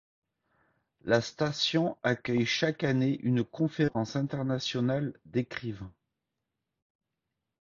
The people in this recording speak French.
La station accueille chaque année une conférence internationale d'écrivains.